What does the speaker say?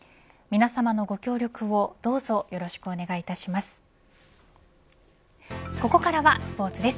皆さまのご協力をどうぞよろしくお願いいたします。